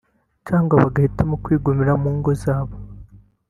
cyangwa bagahitamo kwigumira mu ngo zabo